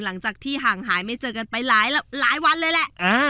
หลังจากที่ห่างหายไม่เจอกันไปหลายวันเลยแหละ